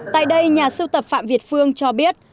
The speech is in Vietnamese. tại đây nhà sưu tập phạm việt phương cho biết